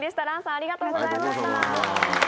ありがとうございます。